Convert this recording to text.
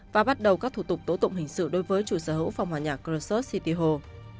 và bắt đầu các thủ tục tổ tụng hình sự đối với chủ sở hữu phòng hòa nhà crosso city hall